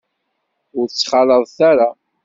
Ur tt-ttxalaḍet ara.